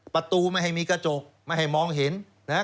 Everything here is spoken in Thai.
ประตูไม่ให้มีกระจกไม่ให้มองเห็น